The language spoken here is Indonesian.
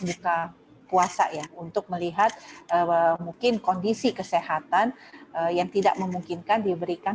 buka puasa ya untuk melihat mungkin kondisi kesehatan yang tidak memungkinkan diberikan